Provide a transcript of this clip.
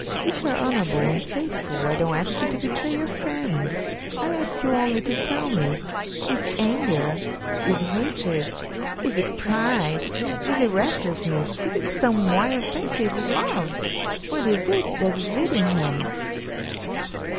If you are honourable and faithful, I don't ask you to betray your friend. I ask you only to tell me, is it anger, is it hatred, is it pride, is it restlessness, is it some wild fancy, is it love, what is it, that is leading him?